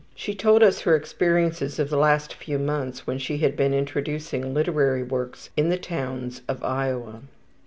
She told us her experiences of the last few months when she had been introducing literary works in the towns of Iowa.